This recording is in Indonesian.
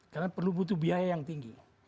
karena perlu butuh biaya yang tinggi